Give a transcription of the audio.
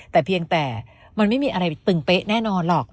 แต่เพียงแต่มันไม่มีอะไรตึงเป๊ะแน่นอนหรอก